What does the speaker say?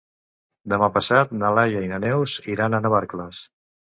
Demà passat na Laia i na Neus iran a Navarcles.